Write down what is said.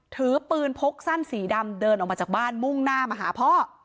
ถือปืนพกสั้นสีดำเดินออกมาจากบ้านมุ่งหน้ามาหาพ่อ